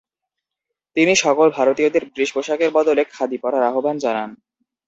তিনি সকল ভারতীয়কে ব্রিটিশ পোশাকের বদলে খাদি পরার আহ্বান জানান।